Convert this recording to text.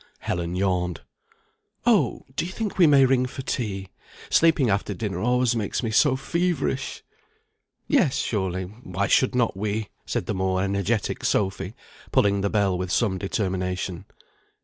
Helen yawned. "Oh! do you think we may ring for tea? Sleeping after dinner always makes me so feverish." "Yes, surely. Why should not we?" said the more energetic Sophy, pulling the bell with some determination.